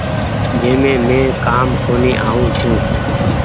جنهن مي مين ڪآم ڪونيٚ آئو ڇون ۔